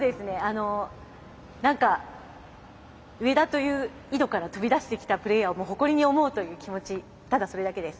何か上田という井戸から飛び出してきたプレーヤーを誇りに思うという気持ちただそれだけです。